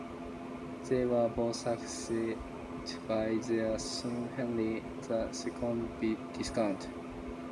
They were both succeeded by their son Henry, the second Viscount.